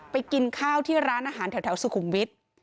กินข้าวที่ร้านอาหารแถวสุขุมวิทย์